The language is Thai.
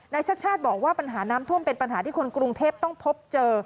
ชาติชาติบอกว่าปัญหาน้ำท่วมเป็นปัญหาที่คนกรุงเทพต้องพบเจอ